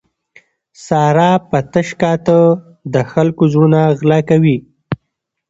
ساره په تش کاته د خلکو زړونه غلا کوي.